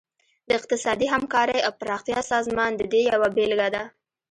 د اقتصادي همکارۍ او پراختیا سازمان د دې یوه بیلګه ده